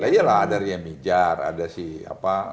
iyalah ada rian mijar ada si apa